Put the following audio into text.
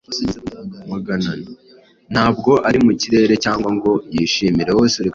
Ntabwo ari mu kirere cyangwa ngo yishimire